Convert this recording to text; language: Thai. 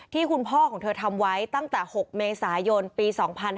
ที่คุณพ่อของเธอทำไว้ตั้งแต่๖เมษายนปี๒๕๕๙